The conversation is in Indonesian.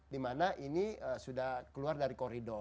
dimana ini sudah keluar dari koridor